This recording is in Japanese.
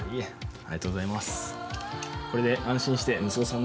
ありがとうございます。